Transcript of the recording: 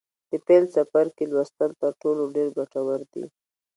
د پیل څپرکي لوستل تر ټولو ډېر ګټور دي.